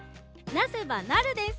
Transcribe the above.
「なせばなる」です！